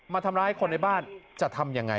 มาทำร้ายคนในบ้านจะทำยังไง